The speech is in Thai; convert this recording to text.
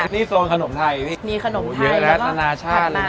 นี่ครับสมุกของมะม่วงอีกอันนี้